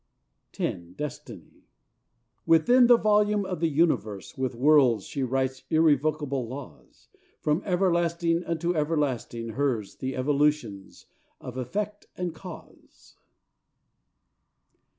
X Destiny Within the volume of the universe With worlds she writes irrevocable laws: From everlasting unto everlasting hers The evolutions of effect and cause.